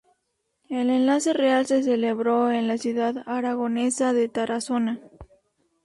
El enlace real se celebró en la ciudad aragonesa de Tarazona.